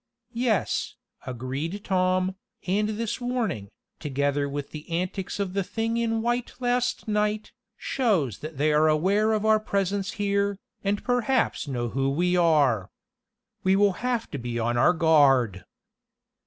"Yes," agreed Tom, "and this warning, together with the antics of the thing in white last night, shows that they are aware of our presence here, and perhaps know who we are. We will have to be on our guard."